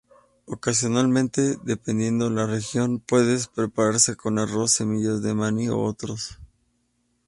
Ocasionalmente, dependiendo la región, puede prepararse con arroz, semillas de maní u otras.